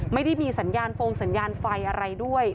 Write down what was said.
ไม่ได้มีสัญญาณโฟงสัญญาณไฟอะไรด้วย